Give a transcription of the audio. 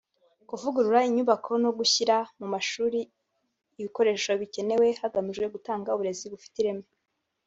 kuvugurura inyubako no gushyira mu mashuri ibikoresho bikenewe hagamijwe gutanga uburezi bufite ireme